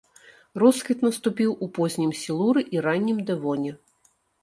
Росквіт наступіў у познім сілуры і раннім дэвоне.